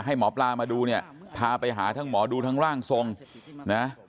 หมอปลามาดูเนี่ยพาไปหาทั้งหมอดูทั้งร่างทรงนะ